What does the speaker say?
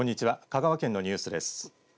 香川県のニュースです。